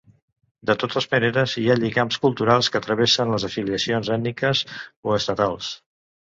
De totes maneres, hi ha lligams culturals que travessen les afiliacions ètniques o estatals.